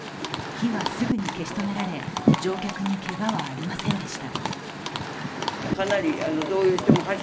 火はすぐに消し止められ、乗客にけがはありませんでした。